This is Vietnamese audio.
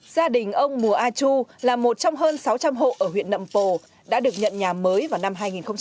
gia đình ông mùa a chu là một trong hơn sáu trăm linh hộ ở huyện nậm pồ đã được nhận nhà mới vào năm hai nghìn một mươi